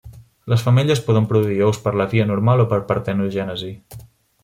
Les femelles poden produir ous per la via normal o per partenogènesi.